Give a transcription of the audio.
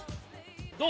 どう？